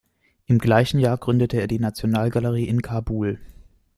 Im gleichen Jahr gründete er die Nationalgalerie in Kabul.